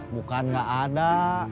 bukan gak ada